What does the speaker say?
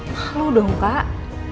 malu dong kak